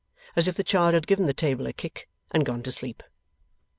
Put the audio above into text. As if the child had given the table a kick, and gone to sleep.